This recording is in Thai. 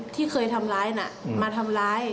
ที่เคยทำร้ายน่ะมาทำร้าย